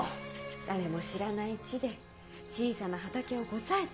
誰も知らない地で小さな畑をこさえて。